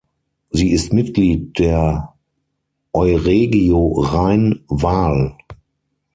Sie ist Mitglied der Euregio Rhein-Waal.